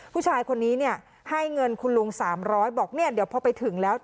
ผู้ชายคนนี้เนี่ยให้เงินคุณลุง๓๐๐บอกเนี่ยเดี๋ยวพอไปถึงแล้ว